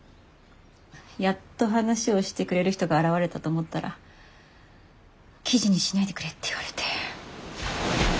やっと話をしてくれる人が現れたと思ったら記事にしないでくれって言われて。